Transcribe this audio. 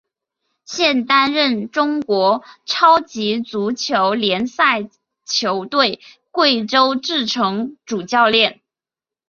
现担任中国超级足球联赛球队贵州智诚主教练。